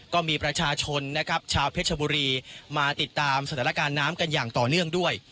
ก็มีประชาชนนะครับชาวเพชรบุรีมาติดตามสถานการณ์น้ำกันอย่างต่อเนื่องด้วย